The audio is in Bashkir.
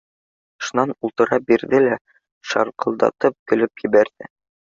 Шунан ултыра бирҙе лә шарҡылдатып көлөп ебәрҙе.